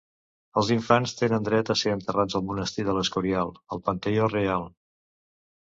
Els infants tenen dret a ser enterrats al Monestir de l'Escorial, al panteó reial.